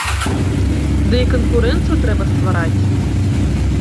Ды і канкурэнцыю трэба ствараць!